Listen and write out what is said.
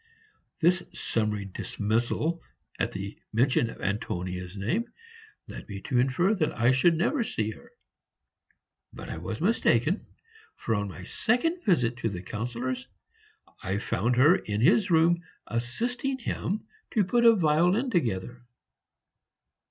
This summary dismissal at mention of Antonia's name led me to infer that I should never see her; but I was mistaken, for on my second visit to the Councillor's I found her in his room, assisting him to put a violin together.